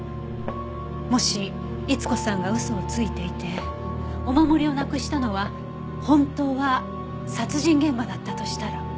もし逸子さんが嘘をついていてお守りをなくしたのは本当は殺人現場だったとしたら。